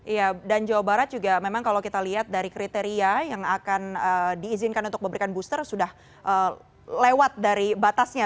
iya dan jawa barat juga memang kalau kita lihat dari kriteria yang akan diizinkan untuk memberikan booster sudah lewat dari batasnya